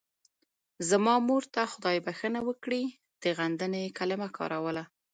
زما مور ته خدای بښنه وکړي د غندنې کلمه کاروله.